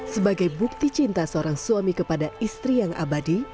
sebagai bukti cinta seorang suami kepada istri yang abadi